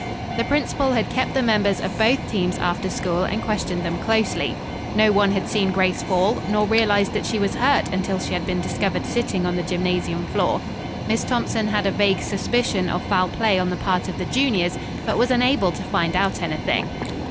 The principal had kept the members of both teams after school and questioned them closely. No one had seen Grace fall, nor realized that she was hurt until she had been discovered sitting on the gymnasium floor. Miss Thompson had a vague suspicion of foul play on the part of the juniors, but was unable to find out anything.